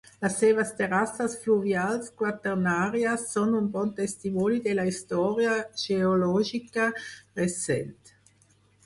Les seves terrasses fluvials quaternàries són un bon testimoni de la història geològica recent.